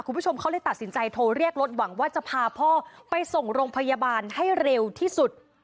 คุณผู้ชมเขาเลยตัดสินใจโทรเรียกรถหวังว่าจะพาพ่อไปส่งโรงพยาบาลให้เร็วที่สุด